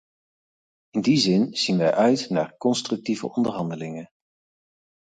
In die zin zien wij uit naar constructieve onderhandelingen!